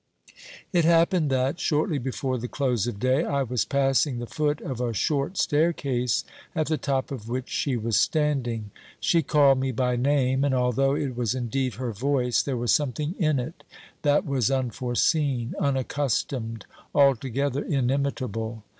It happened that, shortly before the close of day, I was passing the foot of a short staircase, at the top of which she was standing. She called me by name, and although it was indeed her voice, there was something in it that was un foreseen, unaccustomed, altogether inimitable.